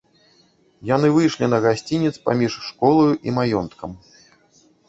Яны выйшлі на гасцінец паміж школаю і маёнткам.